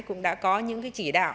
cũng đã có những cái chỉ đạo